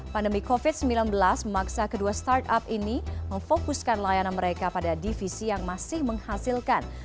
pandemi covid sembilan belas memaksa kedua startup ini memfokuskan layanan mereka pada divisi yang masih menghasilkan